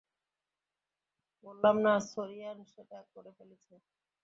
বললাম না সোরিয়ান সেটা করে ফেলেছে।